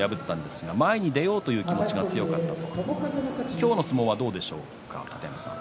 今日の相撲はどうでしょうか。